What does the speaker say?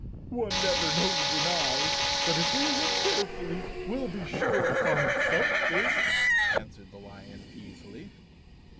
"One never knows in Oz, but if we look carefully, we'll be sure to find something," answered the lion easily.